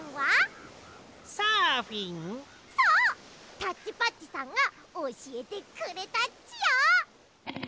タッチパッチさんがおしえてくれたっちよ！